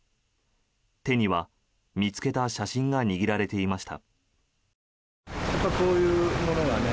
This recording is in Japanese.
手には見つけた写真が握られていました。